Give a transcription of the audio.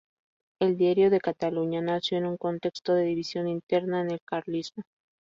El "Diario de Cataluña" nació en un contexto de división interna en el carlismo.